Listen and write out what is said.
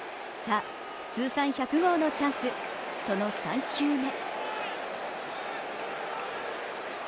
通算１００号のチャンス、その３球目。